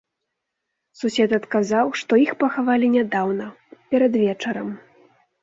Сусед адказаў, што іх пахавалі нядаўна, перад вечарам.